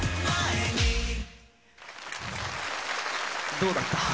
どうだった？